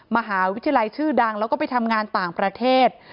มหาวิทยาลัยชื่อดังแล้วก็ไปทำงานต่างประเทศ